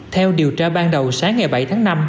theo điều tra ban đầu sáng ngày bảy tháng năm